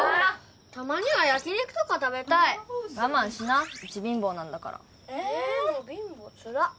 たまには焼き肉とか食べたい我慢しなうち貧乏なんだからええもう貧乏つらっ・